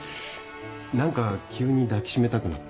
何か急に抱き締めたくなった。